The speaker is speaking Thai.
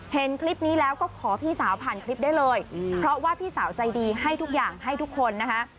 เห็นคลิปนี้แล้วก็ขอพี่สาวผ่านคลิปได้เลยเพราะว่าพี่สาวใจดีให้ทุกอย่างให้ทุกคนนะคะ